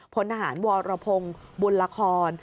พลทหารวรพงศ์บุญละคร